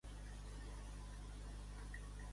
La meva mare es diu Vega Jaraba: jota, a, erra, a, be, a.